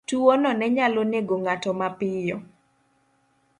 Tuwono ne nyalo nego ng'ato mapiyo.